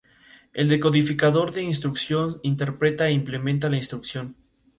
El decodificador de instrucción interpreta e implementa la instrucción.